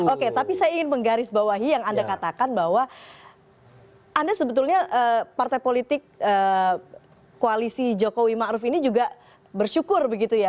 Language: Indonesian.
oke tapi saya ingin menggarisbawahi yang anda katakan bahwa anda sebetulnya partai politik koalisi jokowi ⁇ maruf ⁇ ini juga bersyukur begitu ya